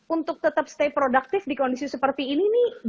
untuk tetap stay productive di kondisi seperti ini nih